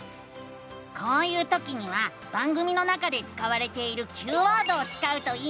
こういうときには番組の中で使われているＱワードを使うといいのさ！